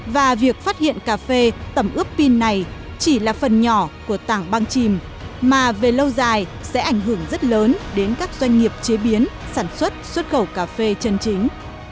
và việc phát hiện cà phê tầm ướp pin này chỉ là phần nhỏ của tảng băng chìm mà về lâu dài sẽ ảnh hưởng rất lớn đến các doanh nghiệp chế biến sản xuất xuất khẩu cà phê chân chính